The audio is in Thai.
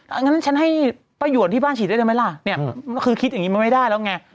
อันนั้นฉันให้ป้ายวนที่บ้านฉีดด้วยได้ไหมล่ะเนี่ยคือคิดอย่างนี้มันไม่ได้แล้วไง